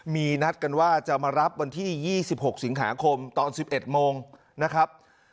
มีนัดกันว่าจะมารับวันที่๒๖สิงหาคมตอน๑๑โมงนะครับ